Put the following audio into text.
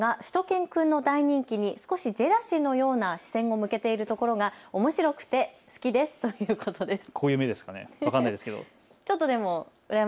井上アナウンサーがしゅと犬くんの大人気に少しジェラシーのような視線を向けているところがおもしろくて好きですということです。